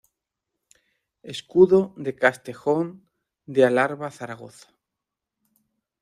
Escudo de Castejón de Alarba-Zaragoza.